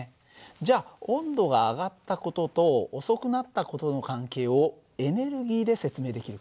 じゃあ温度が上がった事と遅くなった事の関係をエネルギーで説明できるかな？